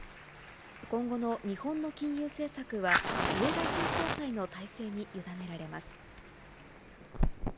今後の日本の金融政策は、植田新総裁の体制に委ねられます。